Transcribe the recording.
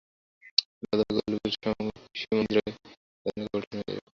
রাজ্য ভাগ হলে তাঁর পক্ষেও সীমান্ধ্রে রাজনীতি করা কঠিন হয়ে যাবে।